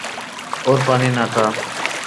اور پانی نہ تھا۔